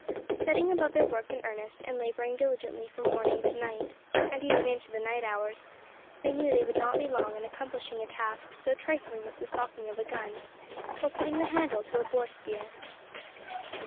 Setting about their work in earnest, and labouring diligently from morning to night and even into the night hours they knew they would not be long in accomplishing a task so trifling as the stocking of a gun, or putting the handle to a boar spear.